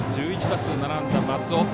１１打数７安打、松尾。